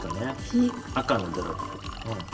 赤のドロップうん。